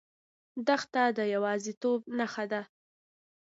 دښته د یوازیتوب نښه ده.